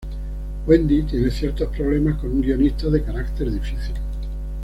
Wendy tiene ciertos problemas con un guionista de carácter difícil.